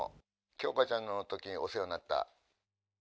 鏡花ちゃんのときにお世話になった。